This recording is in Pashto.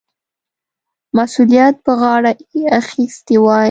مسؤلیت پر غاړه اخیستی وای.